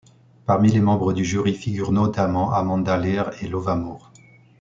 Parmi les membres du jury figurent notamment Amanda Lear et Lova Moor.